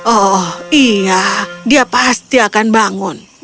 oh iya dia pasti akan bangun